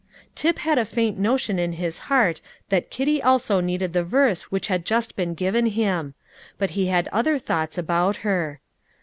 Tip had a faint notion in his heart that Kitty also needed the verse which had just been given him; but he had other thoughts about her.